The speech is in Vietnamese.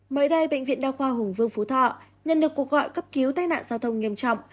mới đây bệnh viện đa khoa hùng vương phú thọ nhận được cuộc gọi cấp cứu tai nạn giao thông nghiêm trọng